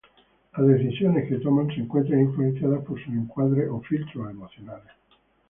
Las decisiones que toman se encuentran influenciadas por sus encuadres o filtros emocionales.